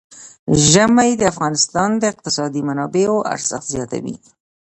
ژمی د افغانستان د اقتصادي منابعو ارزښت زیاتوي.